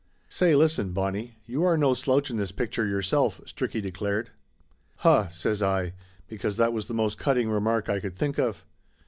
"Say listen, Bonnie, you are no slouch in this pic ture yourself !" Stricky declared. "Huh!" says I, because that was the most cutting remark I could think of.